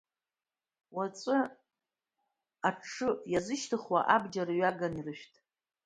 Уаҵәы аҽы иазышьҭыхуа абџьар ҩаганы ирышәҭ…